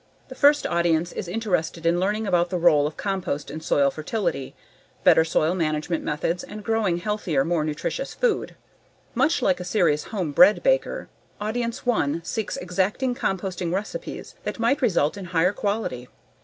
The first audience is interested in learning about the role of compost in soil fertility, better soil management methods and growing healthier, more nutritious food. Much like a serious home bread baker, audience one seeks exacting composting recipes that might result in higher quality.